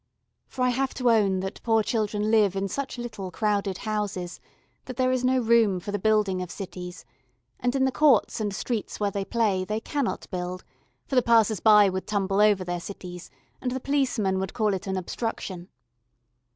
For I have to own that poor children live in such little crowded houses that there is no room for the building of cities, and in the courts and streets where they play they cannot build, for the passers by would tumble over their cities, and the policemen would call it an obstruction.